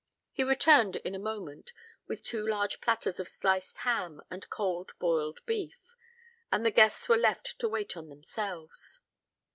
He returned in a moment with two large platters of sliced ham and cold boiled beef, and the guests were left to wait on themselves.